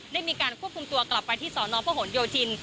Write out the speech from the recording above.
ได้มีการควบคุมตัวกลับไปที่สนพหนโยธิน